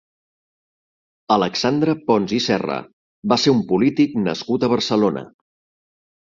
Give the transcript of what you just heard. Alexandre Pons i Serra va ser un polític nascut a Barcelona.